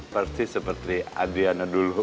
pasti seperti adriana dulu